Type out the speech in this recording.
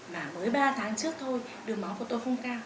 mới ba tháng trước thôi đường máu của tôi không cao